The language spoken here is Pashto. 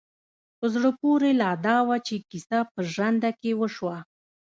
په زړه پورې لا دا وه چې کيسه په ژرنده کې وشوه.